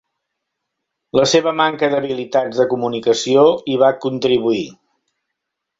La seva manca d'habilitats de comunicació hi va contribuir.